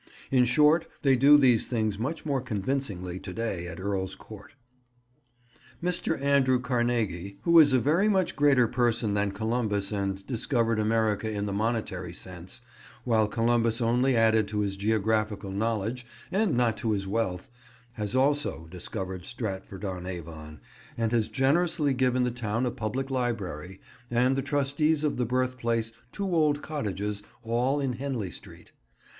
In short, they do these things much more convincingly to day at Earl's Court. Mr. Andrew Carnegie, who is a very much greater person than Columbus and discovered America in the monetary sense, while Columbus only added to his geographical knowledge and not to his wealth, has also discovered Stratford on Avon, and has generously given the town a public library and the Trustees of the Birthplace two old cottages, all in Henley Street.